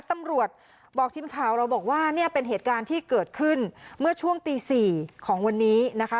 ตำรวจบอกทีมข่าวเราบอกว่าเนี่ยเป็นเหตุการณ์ที่เกิดขึ้นเมื่อช่วงตี๔ของวันนี้นะคะ